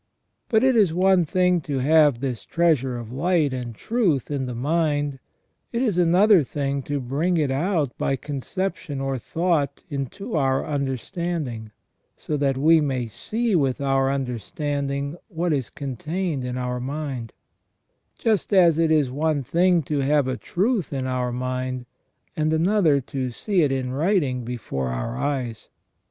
But it is one thing to have this treasure of light and truth in the mind, it is another thing to bring it out by conception or thought into our understanding, so that we may see with our understanding what is contained in our mind ; just as it is one thing to have a truth in our mind, and another to see it in writing before our eyes.